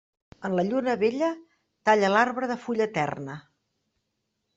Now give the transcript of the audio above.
En la lluna vella, talla l'arbre de fulla eterna.